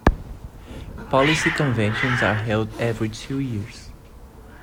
Policy conventions are held every two years.